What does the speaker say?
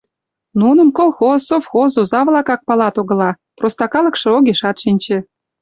Нуным колхоз, совхоз оза-влакак палат огыла, проста калыкше огешат шинче.